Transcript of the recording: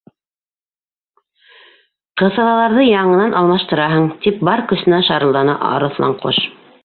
—Ҡыҫалаларҙы яңынан алмаштыраһың! —тип бар көсөнә шарылданы Арыҫланҡош.